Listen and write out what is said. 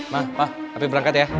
ma ma afif berangkat ya